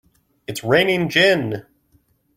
It's raining gin!